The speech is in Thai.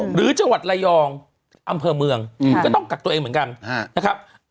หรือจังหวัดระยองอำเภอเมืองก็ต้องกักตัวเองเหมือนกันนะครับ